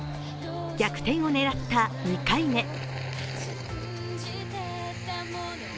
逆転を狙った２回目。